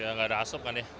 ya gak ada asup kan ya